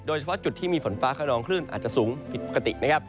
โดยเฉพาะจุดที่มีฝนฟ้าขนองคลื่นอาจจะสูงปกติ